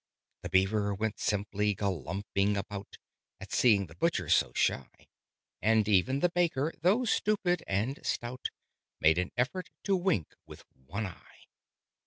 The Beaver went simply galumphing about, At seeing the Butcher so shy: And even the Baker, though stupid and stout, Made an effort to wink with one eye.